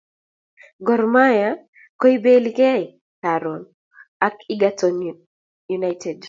Gor mahia koibeli kee karun ak Egerton united